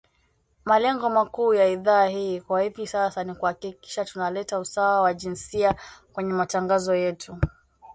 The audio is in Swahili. Malengo makuu ya Idhaa hii kwa hivi sasa ni kuhakikisha tuna leta usawa wa jinsia kwenye matangazo yetu.